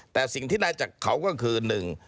แต่สิ่งที่ได้จากเขาก็คือ